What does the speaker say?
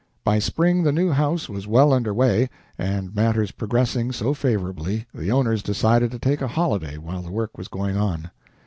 By spring, the new house was well under way, and, matters progressing so favorably, the owners decided to take a holiday while the work was going on.